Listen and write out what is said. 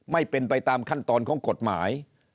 ไม่เป็นไปตามขั้นตอนของกฎหมาย